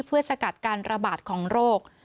เพื่อสกัดการระบาดของโรค